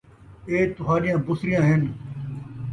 ایہے تہاݙیاں بُسریاں ہن